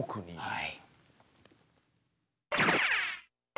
はい。